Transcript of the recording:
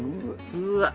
うわっ！